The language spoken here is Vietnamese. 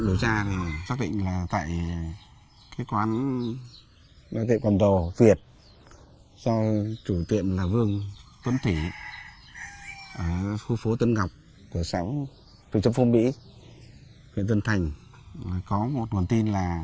tuy nhiên khi trinh sát xác minh tại huyện tân thành thì có xuất hiện dấu hiệu khả nghi